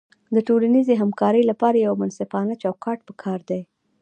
د ټولنیزې همکارۍ لپاره یو منصفانه چوکاټ پکار دی.